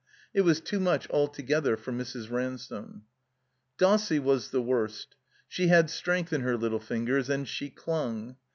It was too much altogether for Mrs. Ransome. Dossie was the worst. She had strength in her little fingers, and she cltmg.